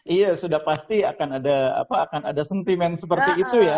iya sudah pasti akan ada sentimen seperti itu ya